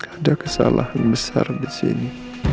ada kesalahan besar di sini